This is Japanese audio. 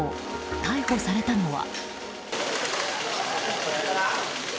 逮捕されたのは。